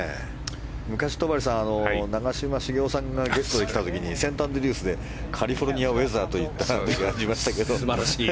昔、戸張さん長嶋茂雄さんがゲストに来た時にセント・アンドリュースでカリフォルニア・ウェザーと言ったのがありましたが。